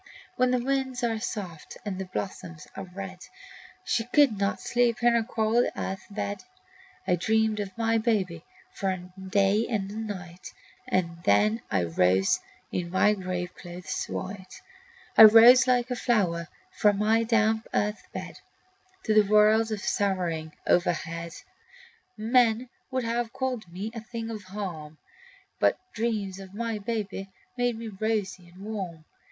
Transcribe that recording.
When the winds are soft and the blossoms are red She could not sleep in her cold earth bed. I dreamed of my babe for a day and a night, And then I rose in my graveclothes white. I rose like a flower from my damp earth bed To the world of sorrowing overhead. Men would have called me a thing of harm, But dreams of my babe made me rosy and warm.